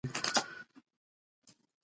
د مشروع تمې نقض د اعتراض حق پیدا کوي.